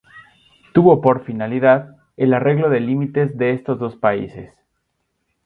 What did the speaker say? Tuvo por finalidad el arreglo de límites de estos dos países.